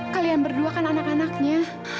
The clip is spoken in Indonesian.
kalian berdua kan anak anaknya